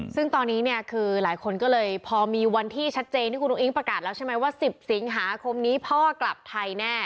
ซึ่งตอนนี้เนี่ยคือหลายคนก็เลยพอมีวันที่ชัดเจนที่คุณอุ้งประกาศแล้วใช่ไหมว่า๑๐สิงหาคมนี้พ่อกลับไทยแน่